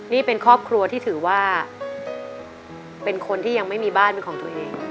นี่เป็นครอบครัวที่ถือว่าเป็นคนที่ยังไม่มีบ้านเป็นของตัวเอง